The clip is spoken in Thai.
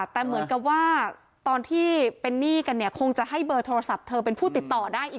แต่เหมือนกับว่าตอนที่เป็นนี่กันคงจะให้บริเวณโทรศัพท์เธอเป็นผู้ติดต่อได้อีกคนนึงอะไรแบบเนี่ย